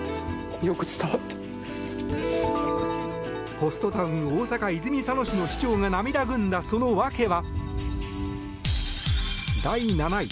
ホストタウン大阪・泉佐野市の市長が涙ぐんだその訳は。